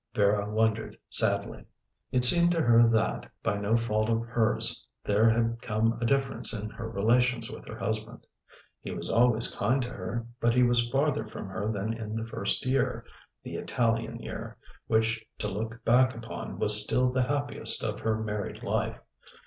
Vera wondered sadly. It seemed to her that, by no fault of hers, there had come a difference in her relations with her husband. He was always kind to her, but he was farther from her than in the first year the Italian year which, to look back upon, was still the happiest of her married life.